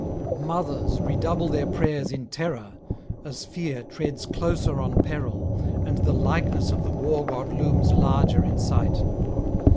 Mothers redouble their prayers in terror, as fear treads closer on peril and the likeness of the War God looms larger in sight.